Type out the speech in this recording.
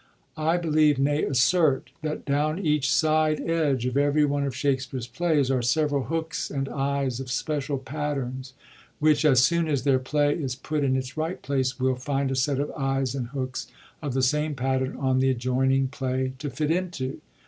I believe, nay, assert, that down each side edge of every one of Shakspere's plays are several hooks and eyes of special patterns, which, as soon as their play is put in its right place, will find a set of eyes and hooks of the same pattern on the adjoining play to fit into.